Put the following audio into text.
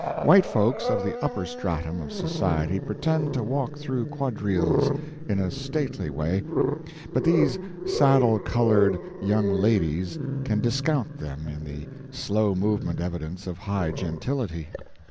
White folks of the upper stratum of society pretend to walk through quadrilles, in a stately way, but these saddle colored young ladies can discount them in the slow movement evidence of high gentility.